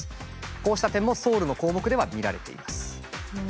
こうした点もソウルの項目では見られています。